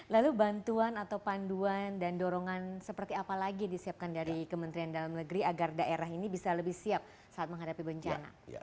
lalu bantuan atau panduan dan dorongan seperti apa lagi disiapkan dari kementerian dalam negeri agar daerah ini bisa lebih siap saat menghadapi bencana